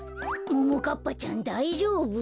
ももかっぱちゃんだいじょうぶ？